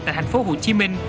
tại thành phố hồ chí minh